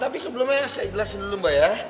tapi sebelumnya saya jelasin dulu mbak ya